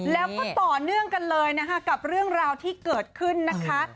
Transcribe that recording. แล้วก็ต่อเนื่องกันเลยนะคะกับเรื่องราวที่เกิดขึ้นนะคะ